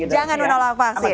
jangan menolak vaksin